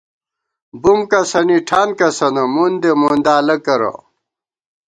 بُوم کسَنی ٹھان کسَنہ ، مُندے مُندالہ کرہ